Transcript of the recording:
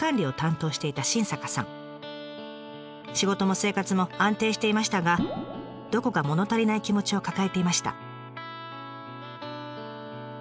仕事も生活も安定していましたがどこかもの足りない気持ちを抱えていました。